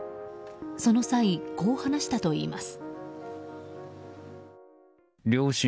その際、こう話したといいます。